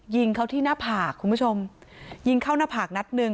ยิงเขาที่หน้าผากคุณผู้ชมยิงเข้าหน้าผากนัดหนึ่ง